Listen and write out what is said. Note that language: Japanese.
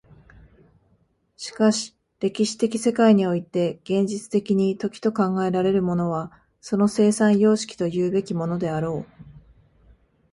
しかし歴史的世界において現実的に時と考えられるものはその生産様式というべきものであろう。